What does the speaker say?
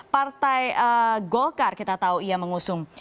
partai golkar kita tahu ia mengusung